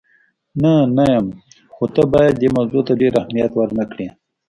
نه، نه یم، خو ته باید دې موضوع ته ډېر اهمیت ور نه کړې.